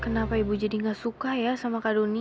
kenapa ibu jadi nggak suka ya sama keduanya